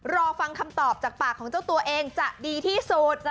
รอฟังคำตอบจากปากของเจ้าตัวเองจะดีที่สุด